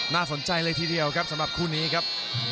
น่าสนใจเลยทีเดียวครับสำหรับคู่นี้ครับ